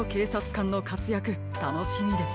かんのかつやくたのしみです。